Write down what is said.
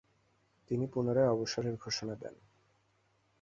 তিনি পুনরায় অবসরের ঘোষণা দেন।